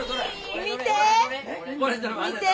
見て！